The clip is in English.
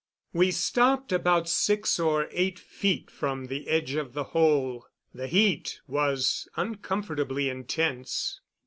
We stopped about six or eight feet from the edge of the hole; the heat was uncomfortably intense.